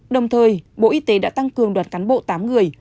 đồng thời bộ y tế đã tăng cường đoạt cán bộ tám người